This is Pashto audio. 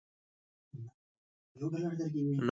الوتکه د رادار تر څارنې لاندې وي.